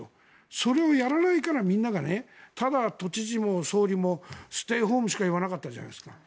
それをやらないからみんながただ都知事も総理もステイホームしか言わなかったじゃないですか。